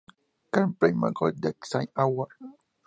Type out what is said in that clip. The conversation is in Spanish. Gran Premio Good Design Award.